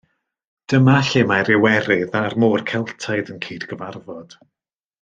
Dyma lle mae'r Iwerydd a'r Môr Celtaidd yn cydgyfarfod.